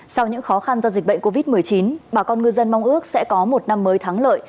sau những khó khăn do dịch bệnh covid một mươi chín bà con ngư dân mong ước sẽ có một năm mới thắng lợi